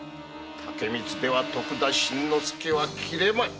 竹光では徳田新之助は斬れまい。